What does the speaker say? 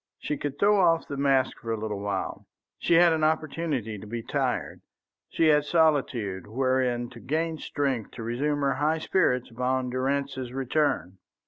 She could throw off the mask for a little while; she had an opportunity to be tired; she had solitude wherein to gain strength to resume her high spirits upon Durrance's return.